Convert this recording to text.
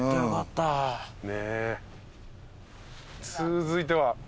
続いては？